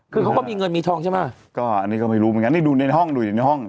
คือเขาก็มีเงินมีทองใช่ไหมก็อันนี้ก็ไม่รู้เหมือนกันนี่ดูในห้องดูในห้อง